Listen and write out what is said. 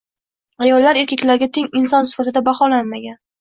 Ayollar erkaklarga teng inson sifatida baholanmagan